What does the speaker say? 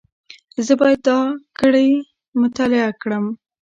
زه باید دا ګړې مطالعه کړم.